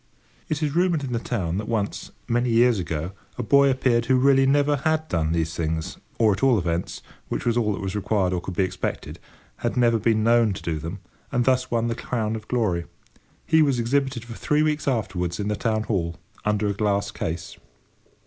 It is rumoured in the town that once, many years ago, a boy appeared who really never had done these things—or at all events, which was all that was required or could be expected, had never been known to do them—and thus won the crown of glory. He was exhibited for three weeks afterwards in the Town Hall, under a glass case.